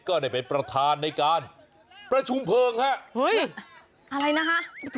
ก็ได้เป็นประธานในการประชุมเพลิงฮะเฮ้ยอะไรนะคะ